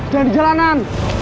jangan di jalanan